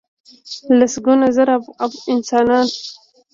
لسګونه زره انسانان .